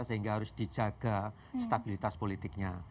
sehingga harus dijaga stabilitas politiknya